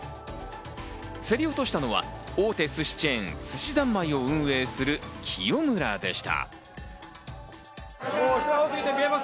競り落としたのは大手すしチェーン・すしざんまいを運営する喜代村でした。